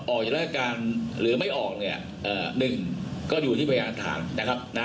ออกจากราศการหรือไม่ออกหนึ่งก็อยู่ที่ประหลาดฐาน